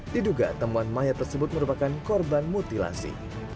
diduga temuan mayat tersebut merupakan korban mutilasi